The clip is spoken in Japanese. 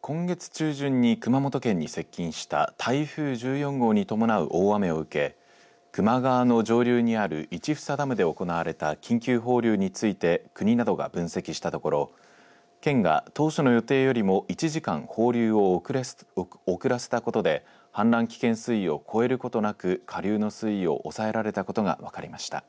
今月中旬に熊本県に接近した台風１４号に伴うを大雨を受け球磨川の上流にある市房ダムで行われた緊急放流について国などが分析したところ県が当初の予定よりも１時間、放流を遅らせたことで氾濫危険水位を超えることなく下流の水位を抑えられたことが分かりました。